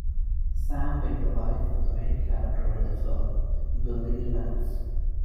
Sam being the wife of the main character in the film, Billy Evans.